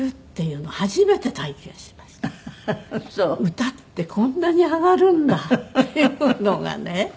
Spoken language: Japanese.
歌ってこんなにあがるんだっていうのがね。